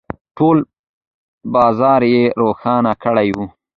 ، ټول بازار يې روښانه کړی و.